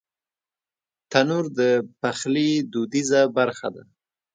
تنور د پخلي دودیزه برخه ده